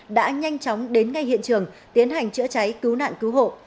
đã nhanh chóng đến ngay hiện trường tiến hành chữa cháy cứu nạn cứu hộ